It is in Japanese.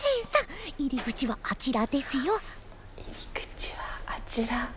「入り口はあちら」。